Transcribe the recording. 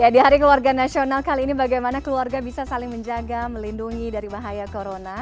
di hari keluarga nasional kali ini bagaimana keluarga bisa saling menjaga melindungi dari bahaya corona